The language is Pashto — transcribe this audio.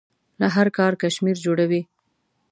له هر کار کشمیر جوړوي.